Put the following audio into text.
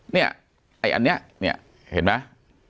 เนี่ยไอ้อันนี้เนี่ยเห็นไหม